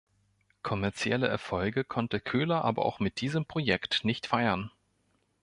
Kommerzielle Erfolge konnte Köhler aber auch mit diesem Projekt nicht feiern.